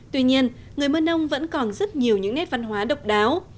tuy nhiên người mơ nông vẫn còn rất nhiều những nét văn hóa độc đáo